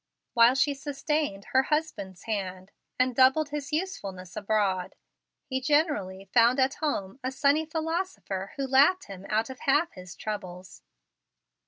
While she sustained her husband's hands and doubled his usefulness abroad, he generally found at home a sunny philosopher who laughed him out of half his troubles.